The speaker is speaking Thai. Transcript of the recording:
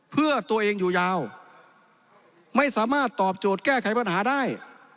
เพื่อตัวเองอยู่ยาวไม่สามารถตอบโจทย์แก้ไขปัญหาได้